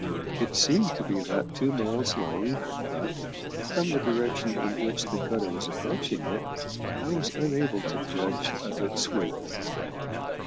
It seemed to be about two miles long, but, from the direction in which the cutter was approaching it, I was unable to judge of its width.